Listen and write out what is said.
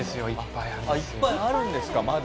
いっぱいあるんですかまだ。